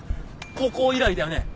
高校以来だよね？